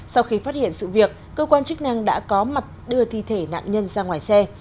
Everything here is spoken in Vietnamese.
sau khi phát hiện sự việc cơ quan chức năng đã có mặt đưa thi thể nạn nhân ra ngoài xe